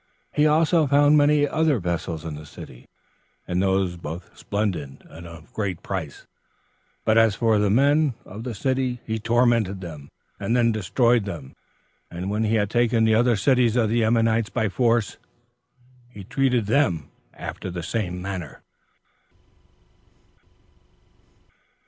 He also found many other vessels in the city, and those both splendid and of great price; but as for the men, he tormented them, 14 and then destroyed them; and when he had taken the other cities of the Ammonites by force, he treated them after the same manner.